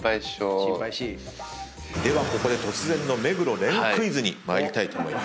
ここで突然の目黒蓮クイズに参りたいと思います。